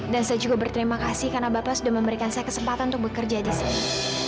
dan saya juga berterima kasih karena bapak sudah memberikan saya kesempatan untuk bekerja di sini